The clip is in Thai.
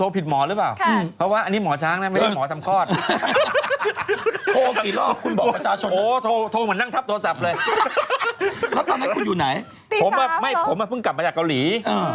ผมเพิ่งกลับมาจากเกาหลี